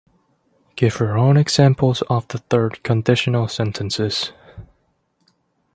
Give your own examples of the Third Conditional sentences.